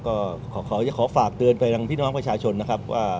ก็ขอฝากเตือนไปยังพี่น้องประชาชนนะครับว่า